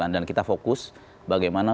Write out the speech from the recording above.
dan kita fokus bagaimana